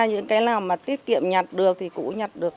những cái nào mà tiết kiệm nhặt được thì cụ nhặt được